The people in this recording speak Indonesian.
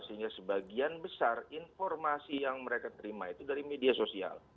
sehingga sebagian besar informasi yang mereka terima itu dari media sosial